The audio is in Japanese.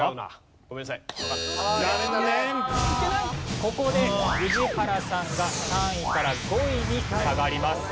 ここで宇治原さんが３位から５位に下がります。